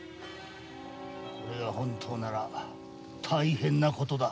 それが本当なら大変な事だ。